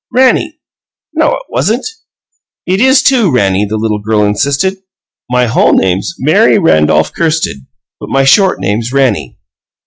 "Rannie." "No, it wasn't." "It is too, Rannie," the little girl insisted. "My whole name's Mary Randolph Kirsted, but my short name's Rannie."